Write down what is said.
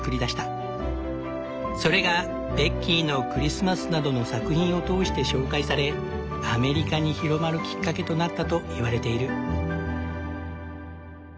それが「ベッキーのクリスマス」などの作品を通して紹介されアメリカに広まるきっかけとなったといわれている。